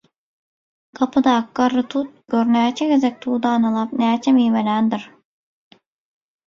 gapydaky garry tut, gör, näçe gezek tudanalap, näçe miweländir.